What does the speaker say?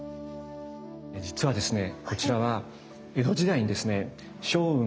実はですね